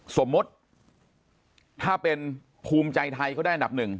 สมมุติถ้าเป็นภูมิใจไทยเขาได้อันดับหนึ่ง